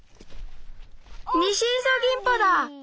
ニシイソギンポだ！